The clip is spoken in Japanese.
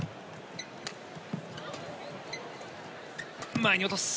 前に落とす。